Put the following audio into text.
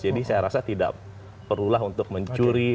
jadi saya rasa tidak perulah untuk mencuri